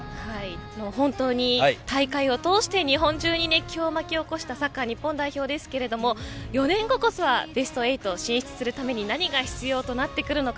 本当に大会を通して日本中に熱狂を巻き起こしたサッカー日本代表でしたが４年後こそはベスト８進出するために何が必要になってくるのか。